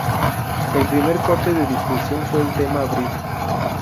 El primer corte de difusión fue el tema Abril.